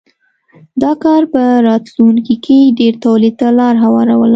دا کار په راتلونکې کې ډېر تولید ته لار هواروله.